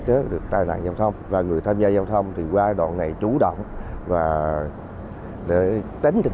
chế được tai nạn giao thông và người tham gia giao thông thì qua đoạn này chú động để tính tình